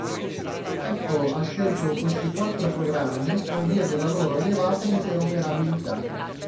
Apple ha scelto questi quattro programmi per via della loro elevata interoperabilità.